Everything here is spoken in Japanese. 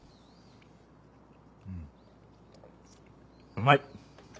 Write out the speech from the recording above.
うまい！